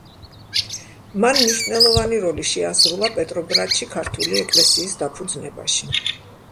მან მნიშვნელოვანი როლი შეასრულა პეტროგრადში ქართული ეკლესიის დაფუძნებაში.